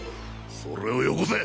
それをよこせ！